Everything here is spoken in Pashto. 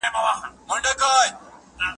د حسد پرځای خوشحالۍ ښوول د ژوند برخه ده.